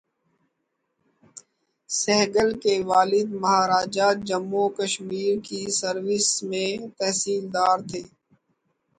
سہگل کے والد مہاراجہ جموں وکشمیر کی سروس میں تحصیلدار تھے۔